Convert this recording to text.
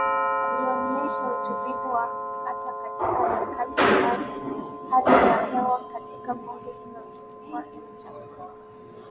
Alionesha utulivu hata katika nyakati ambazo hali ya hewa katika bunge hilo ikiwa imechafuka